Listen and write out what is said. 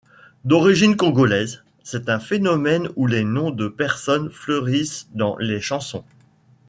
D'origine congolaise, c'est un phénomène où les noms de personnes fleurissent dans les chansons.